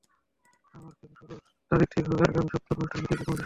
আবার ক্যাম্প শুরুর তারিখ ঠিক হবে আগামী সপ্তাহে অনুষ্ঠেয় নির্বাহী কমিটির সভায়।